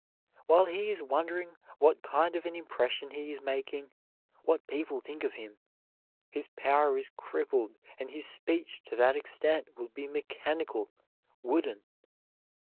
While he is wondering what kind of an impression he is making, what people think of him, his power is crippled, and his speech to that extent will be mechanical, wooden.